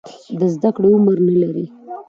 د زده کړې عمر نه لري.